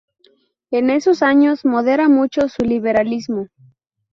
En esos años modera mucho su liberalismo.